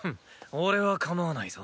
俺はかまわないぞ。